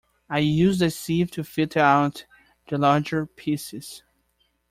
I used a sieve to filter out the larger pieces.